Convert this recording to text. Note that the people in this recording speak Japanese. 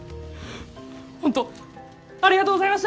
ほんとありがとうございました！